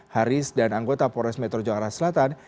haris dan anggota polres metro jakarta selatan